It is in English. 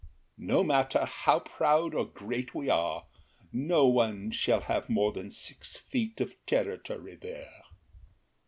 No matter How proud or great we are, no one shall have More than six feet of territory there.